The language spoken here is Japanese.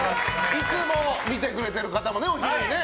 いつも見てくれてる方もお昼にね。